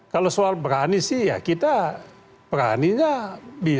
kalau soal berani sih ya kita beraninya bisa menampilkan kita berani